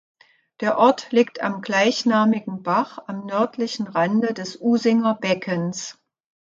Der Ort liegt am gleichnamigen Bach am nördlichen Rande des Usinger Beckens.